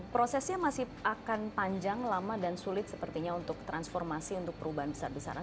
prosesnya masih akan panjang lama dan sulit sepertinya untuk transformasi untuk perubahan besar besaran